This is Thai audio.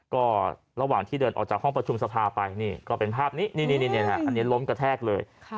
ก็ระหว่างที่เดินออกจากห้องประชุมสภาไปนี่ก็เป็นภาพนี้อันนี้ล้มกระแทกเลย